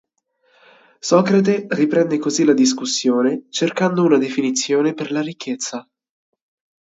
Socrate riprende così la discussione, cercando una definizione per la ricchezza.